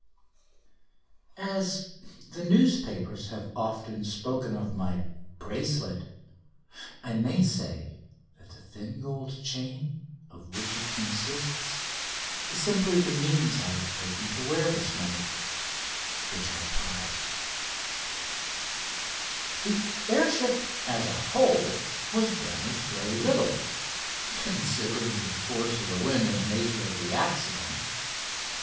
As the newspapers have often spoken of my "bracelet" I may say that the thin gold chain of which it consists is simply the means I have taken to wear this medal, which I prize. [Illustration: AN ACCIDENT] The air ship, as a whole, was damaged very little, considering the force of the wind and the nature of the accident.